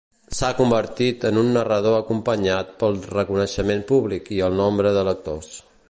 S'ha convertit en un narrador acompanyat pel reconeixement públic i el nombre de lectors.